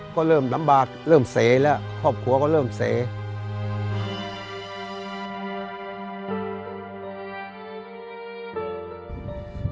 ก็เริ่มลำบากเริ่มเสแล้วครอบครัวก็เริ่มเส